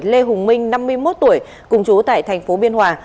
lê hùng minh năm mươi một tuổi cùng chú tại thành phố biên hòa